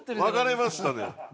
分かれましたね。